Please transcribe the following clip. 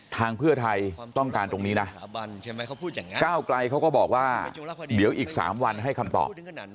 เพื่อไทยต้องการตรงนี้นะก้าวไกลเขาก็บอกว่าเดี๋ยวอีก๓วันให้คำตอบ